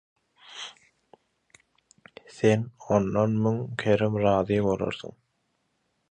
Sen ondan müň kerem razy bolarsyň.